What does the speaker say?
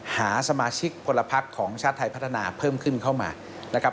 หาสมาชิกประพักษณ์ของชาติไทยพัฒนาเพิ่มขึ้นเข้ามา